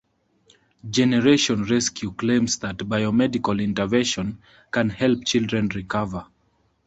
Generation Rescue claims that biomedical intervention can help children recover.